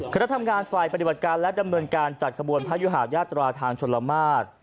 คณะทำงานฝ่ายปฏิบัติการและดำเนินการจัดขบวนพระยุหายาตราทางชนละมาตร